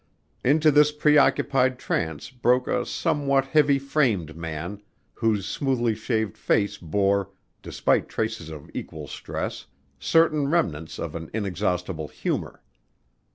Into this preoccupied trance broke a somewhat heavy framed man whose smoothly shaved face bore, despite traces of equal stress, certain remnants of an inexhaustible humor.